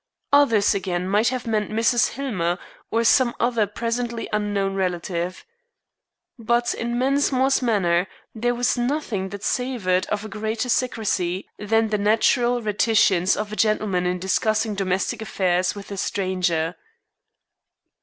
Others, again, might have meant Mrs. Hillmer or some other presently unknown relative. But in Mensmore's manner there was nothing that savored of a greater secrecy than the natural reticence of a gentleman in discussing domestic affairs with a stranger.